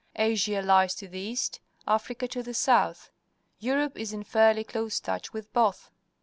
Asia lies to the east, Africa to the south. Europe is in fairly close touch with both.